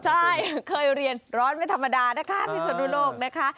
ใช่เคยเรียนร้อนไม่ธรรมดานะคะพิศนุโลกนะคะ